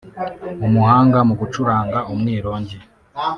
umuhanga mu gucuranga umwirongi